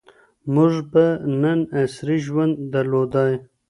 موږ به نن عصري ژوند درلودای.